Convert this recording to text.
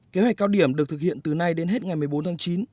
kế hoạch cao điểm được thực hiện từ nay đến hết ngày một mươi bốn tháng chín